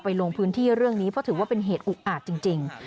ลงพื้นที่เรื่องนี้เพราะถือว่าเป็นเหตุอุกอาจจริง